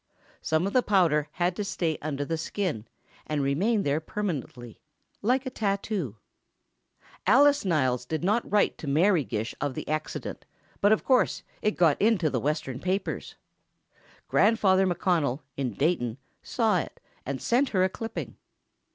Some of the powder had to stay under the skin and remain there permanently, like tattoo. Alice Niles did not write to Mary Gish of the accident, but of course it got into the Western papers. Grandfather McConnell, in Dayton, saw it, and sent her a clipping.